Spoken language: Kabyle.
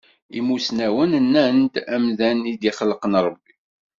Imussnawen nnan-d d amdan i d-ixelqen Ṛebbi.